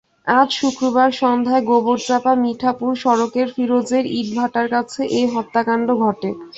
আজ শুক্রবার সন্ধ্যায় গোবরচাপা মিঠাপুর সড়কের ফিরোজের ইটভাটার কাছে এ হত্যাকাণ্ড ঘটে।